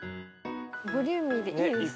ボリューミーでいいですね。